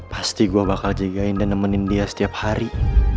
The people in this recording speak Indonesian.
pasti gue bakal jagain dan nemenin dia setiap hari